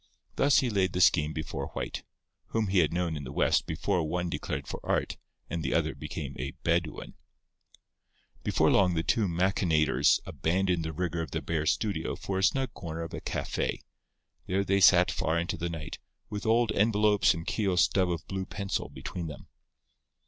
Thus he laid the scheme before White, whom he had known in the West before one declared for Art and the other became a Bedouin. Before long the two machinators abandoned the rigour of the bare studio for a snug corner of a café. There they sat far into the night, with old envelopes and Keogh's stub of blue pencil between them.